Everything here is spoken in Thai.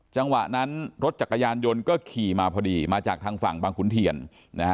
จังหวะนั้นรถจักรยานยนต์ก็ขี่มาพอดีมาจากทางฝั่งบางขุนเทียนนะฮะ